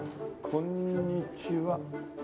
こんにちは。